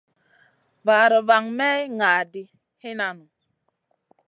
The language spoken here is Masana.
Vaara van may ŋa ɗi hinan nu.